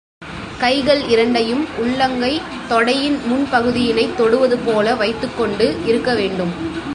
கைகள்இரண்டையும் உள்ளங்கை தொடையின் முன் பகுதியினைத் தொடுவது போல வைத்துக் கொண்டு இருக்க வேண்டும்.